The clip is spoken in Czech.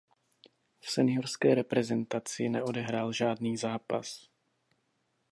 V seniorské reprezentaci neodehrál žádný zápas.